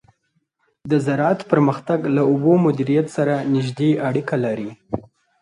د زراعت پرمختګ له اوبو مدیریت سره نږدې اړیکه لري.